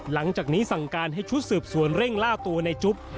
หลังจากนี้สั่งการให้ชุดสืบสวนเร่งล่าตัวในจุ๊บ